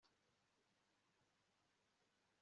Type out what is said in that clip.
uwo munyamuryango ahabwa kandi n'inyungu ku migabane ye